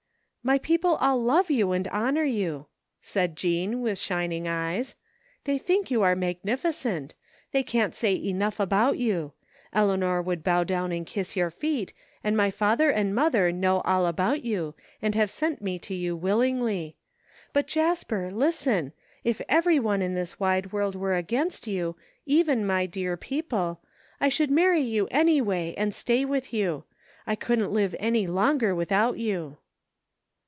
" My people all love you and honor you," said Jean, with ^ning eyes. " They think you are mag nificent ! They cannot say enough about you. Eleanor would bow down and kiss your feet, and my father and mother know all about you and have sent me to you willingly. But, Jasper, listen, if every one in this wide world were against you, even my dear people, I should marry you anyway and stay with you! I couldn't live any longer without you